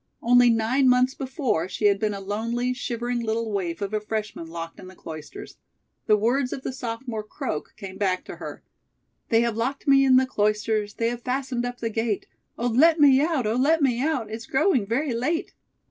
Only nine months before she had been a lonely, shivering little waif of a freshman locked in the Cloisters. The words of the sophomore "croak" came back to her: "They have locked me in the Cloisters; They have fastened up the gate. Oh, let me out! Oh, let me out! It's growing very late."